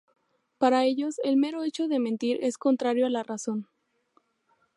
Para ellos, el mero hecho de mentir es contrario a la razón.